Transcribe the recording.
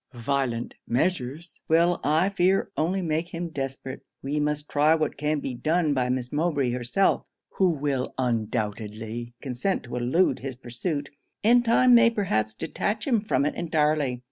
Violent measures will, I fear, only make him desperate. We must try what can be done by Miss Mowbray herself, who will undoubtedly consent to elude his pursuit, and time may perhaps detach him from it entirely.